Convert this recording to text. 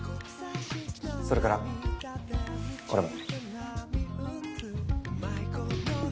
それからこれも。